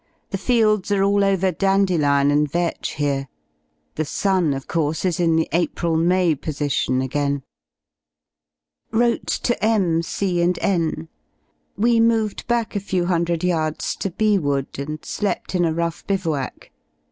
The fields are all over dandelion and vetch here; the sun, of course, is in the April May position again. Wrote to M , C , and N We moved back a few i J{ ^^^ hundred yards to B Wood and slept in a rough bivouac.